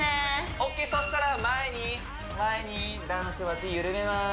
オーケーそしたら前に前にダウンしてもらって緩めます